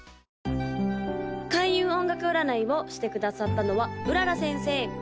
・開運音楽占いをしてくださったのは麗先生